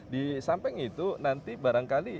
di samping itu nanti barangkali